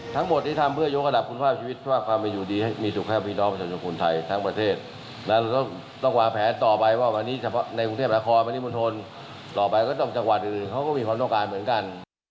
ทั้งหมดที่ทำเพื่อยกระดับคุณภาพชีวิตเพื่อให้มีสุขแพ้ปริงดองประชาชนคุณไทยทั้งประเทศและต้องกว่าแผนต่อไปว่าวันนี้ในกรุงเทพฯหลักครอบครับวันนี้บนทนต่อไปก็ต้องจังหวัดอื่นเขาก็มีความต้องการเหมือนกัน